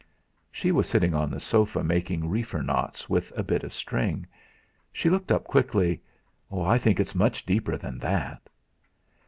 She was sitting on the sofa making reefer knots with a bit of string. She looked up quickly: "I think it's much deeper than that."